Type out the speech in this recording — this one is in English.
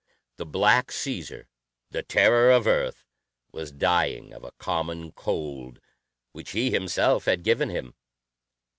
The Black Caesar, the terror of Earth, was dying of a common cold which he himself had given him.